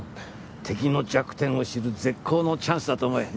敵の弱点を知る絶好のチャンスだと思え。